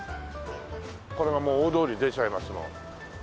これはもう大通りに出ちゃいますもん。